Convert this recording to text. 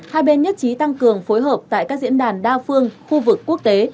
hai bên nhất trí tăng cường phối hợp tại các diễn đàn đa phương khu vực quốc tế